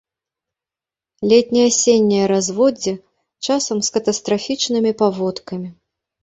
Летне-асенняе разводдзе, часам з катастрафічнымі паводкамі.